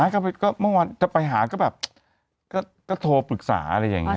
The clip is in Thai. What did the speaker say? ก็เมื่อวานจะไปหาก็แบบก็โทรปรึกษาอะไรอย่างนี้